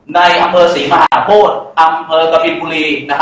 ในอำเภอศรีมหาโพธิอำเภอกบินบุรี